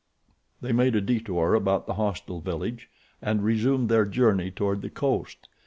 They made a detour about the hostile village, and resumed their journey toward the coast.